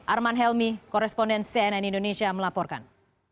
arman helmi koresponden cnn indonesia melaporkan